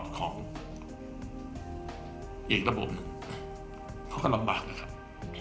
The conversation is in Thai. ของอีกระบบหนึ่งเขาก็ลำบากนะครับ